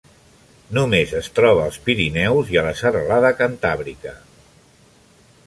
Només es troba als Pirineus i la Serralada Cantàbrica.